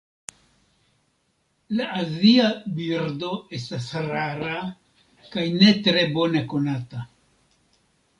La azia birdo estas rara kaj ne tre bone konata.